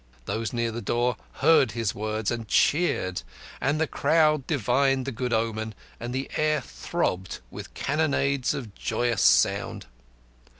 Those near the door heard his words and cheered, and the crowd divined the good omen, and the air throbbed with cannonades of joyous sound.